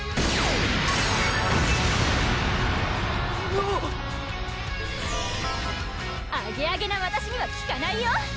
なっアゲアゲなわたしにはきかないよ！